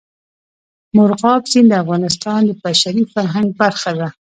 مورغاب سیند د افغانستان د بشري فرهنګ برخه ده.